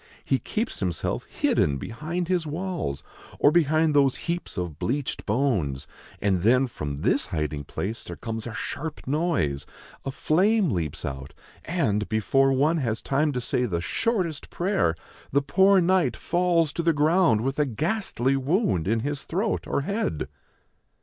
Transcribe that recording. He keeps himself hidden behind his walls or behind those heaps of bleached bones ; and then from this hiding place there comes a sharp noise, a flame leaps out, and, before one has time to say the shortest prayer, the poor knight falls to the ground with a ghastly wound in his throat or head."